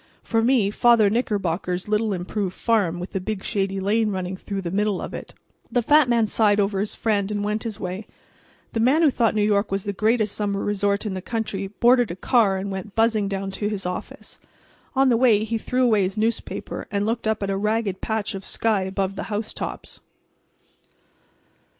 For me Father Knickerbocker's little improved farm with the big shady lane running through the middle of it." The fat man sighed over his friend and went his way. The man who thought New York was the greatest summer resort in the country boarded a car and went buzzing down to his office. On the way he threw away his newspaper and looked up at a ragged patch of sky above the housetops.